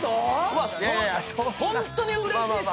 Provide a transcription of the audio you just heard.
ホントにうれしいし。